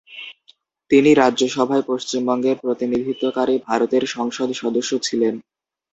তিনি রাজ্যসভায় পশ্চিমবঙ্গের প্রতিনিধিত্বকারী ভারতের সংসদ সদস্য ছিলেন।